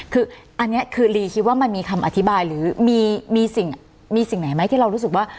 คืออันนี้คือลีคิดว่ามันมีคำอธิบายหรือมีสิ่งไหนไหมที่เรารู้สึกว่า